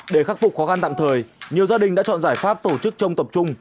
để khắc phục khó khăn tạm thời nhiều gia đình đã chọn giải pháp tổ chức trông tập trung